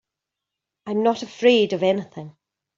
I'm not afraid of anything.